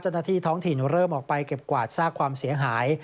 เจ้าหน้าที่ท้องถิ่นเริ่มออกไปเก็บกวาดซากความเสียหาย